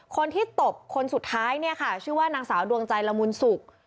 ตบคนสุดท้ายเนี่ยค่ะชื่อว่านางสาวดวงใจละมุนสุก